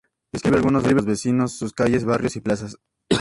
Describe a algunos de los vecinos; sus calles, barrios y plazas.